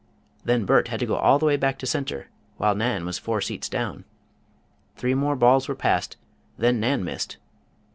Then Bert had to go all the way back to center, while Nan was four seats down. Three more balls were passed, then Nan missed.